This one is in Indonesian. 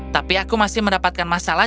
tapi aku masih mendapatkan masalah